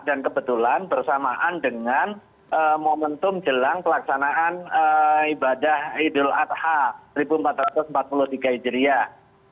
dan kebetulan bersamaan dengan momentum jelang pelaksanaan ibadah idul adha seribu empat ratus empat puluh tiga hijriyah